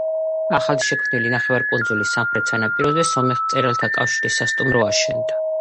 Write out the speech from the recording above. ახლადშექმნილი ნახევარკუნძულის სამხრეთ სანაპიროზე სომეხ მწერალთა კავშირის სასტუმრო აშენდა.